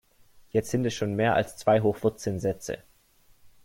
Jetzt sind es schon mehr als zwei hoch vierzehn Sätze.